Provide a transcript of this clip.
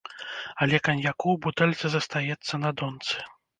Але каньяку ў бутэльцы застаецца на донцы.